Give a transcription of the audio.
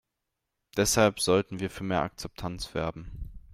Deshalb sollten wir für mehr Akzeptanz werben.